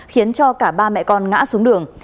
khiến cho cả ba mẹ con ngã xuống đường